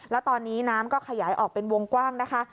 แล้วตอนนี้น้ำก็ขยายออกเป็นวงกว้างนะคะ